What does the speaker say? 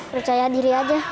percaya diri aja